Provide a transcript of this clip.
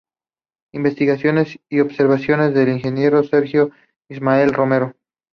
Investigaciones y observaciones del Ing. Sergio Ismael Romero.